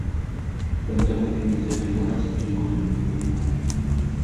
لم تكن في المزاج المناسب للكتب الجادة.